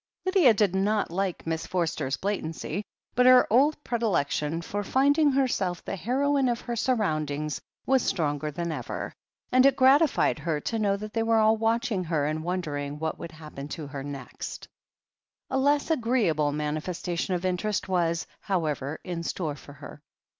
Lydia did not like Miss Forster's blatancy, but her old predilection for finding herself the heroine of her i62 THE HEEL OF ACHILLES surroundings was stronger than ever, and it gratified her to know that they were all watching her and won dering what would happen to her next. A less agreeable manifestation of interest was, how ever, in store for her.